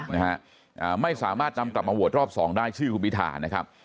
นะฮะอ่าไม่สามารถนำกลับมาโหวตรอบสองได้ชื่อคุณพิธานะครับ